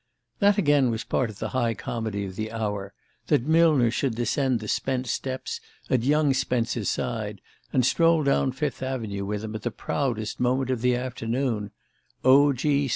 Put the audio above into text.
That, again, was part of the high comedy of the hour that Millner should descend the Spence steps at young Spence's side, and stroll down Fifth Avenue with him at the proudest moment of the afternoon; O. G.